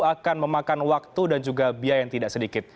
akan memakan waktu dan juga biaya yang tidak sedikit